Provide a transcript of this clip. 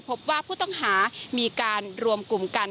พบว่าผู้ต้องหามีการรวมกลุ่มกัน